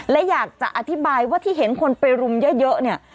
และอยากจะอธิบายว่าที่เห็นคนไปรุมเยอะเนี่ย